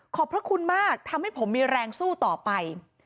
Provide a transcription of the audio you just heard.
พระคุณมากทำให้ผมมีแรงสู้ต่อไป